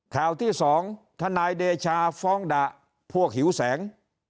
ข่าวที่สองทนายเดชาฟ้องดะพวกหิวแสง